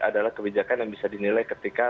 adalah kebijakan yang bisa dinilai ketika